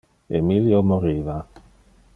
Emilio moriva.